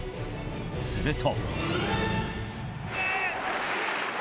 すると。